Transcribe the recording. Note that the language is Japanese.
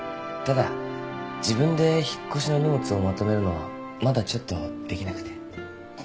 ただ自分で引っ越しの荷物をまとめるのはまだちょっとできなくて。